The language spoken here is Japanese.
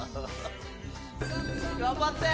頑張って！